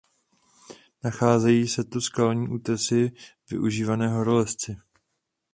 Nacházejí se tu skalní útesy využívané horolezci.